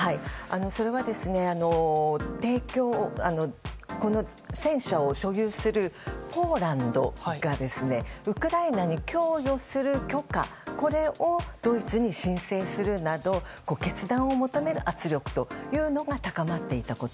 それは戦車を所有するポーランドがウクライナに供与する許可をドイツに申請するなど決断を求める圧力というのが高まっていたこと。